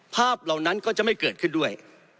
เหล่านั้นก็จะไม่เกิดขึ้นด้วย